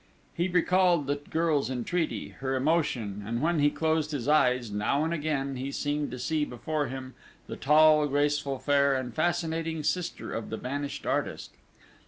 He recalled the girl's entreaty, her emotion; and when he closed his eyes, now and again, he seemed to see before him the tall, graceful, fair and fascinating sister of the vanished artist....